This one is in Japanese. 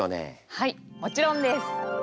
はいもちろんです！